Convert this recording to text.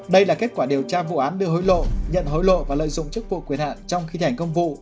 đây là kết quả điều tra vụ án đưa hối lộ nhận hối lộ và lợi dụng chức vụ quyền hạn trong khi thành công vụ